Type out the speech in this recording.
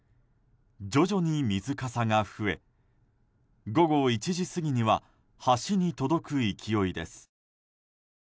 徐々に水かさが増え午後１時過ぎには橋に届く勢いです。